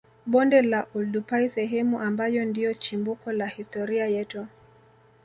Bonde la Oldupai sehemu ambayo ndio chimbuko la historia yetu